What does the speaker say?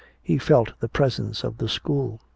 He felt the presence of the school.